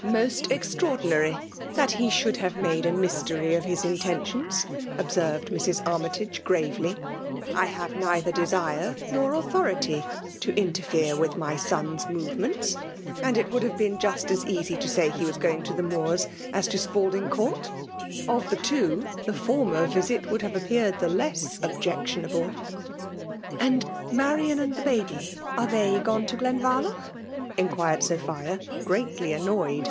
" Most extraordinary, that he should have made a mystery of his intentions," observed Mrs. Armytage, gravely. " I have neither de sire, nor authority, to interfere with my son's VOL. II. L 218 FEMALB SOMINATIOif* movements ; and it would have been just as easy to say he was going to the Moors as to Scalding Court. Of the two, the former visit would have appeared the less objectionahle.*' " And Marian and the baby ?— ^Are they gone to Glenvarloch?'* inquired Sophia, greatly annoyed.